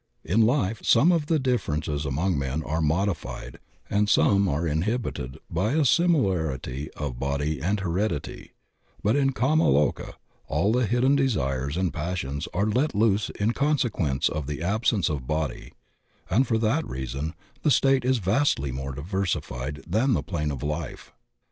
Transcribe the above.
In life some of the differences among men are modified and some inhibited by a similarity of body and heredity, but in kama loka all the hidden desires and passions are let loose in consequence of the absence of body, and for that reason the state is vastly more diversified than the life plane.